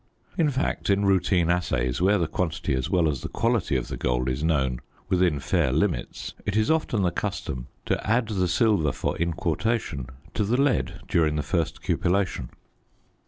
In fact, in routine assays, where the quantity as well as the quality of the gold is known within fair limits, it is often the custom to add the silver for inquartation to the lead during the first cupellation.